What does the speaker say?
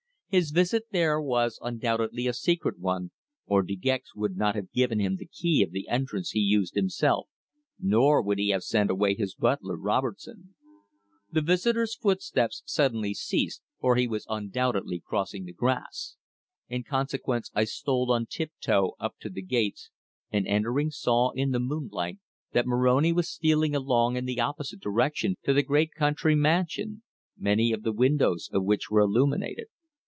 His visit there was undoubtedly a secret one, or De Gex would not have given him the key of the entrance he used himself, nor would he have sent away his butler, Robertson. The visitor's footsteps suddenly ceased, for he was undoubtedly crossing the grass. In consequence, I stole on tiptoe up to the gates, and entering, saw in the moonlight that Moroni was stealing along in the opposite direction to the great country mansion, many of the windows of which were illuminated.